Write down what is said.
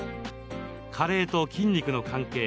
加齢と筋肉の関係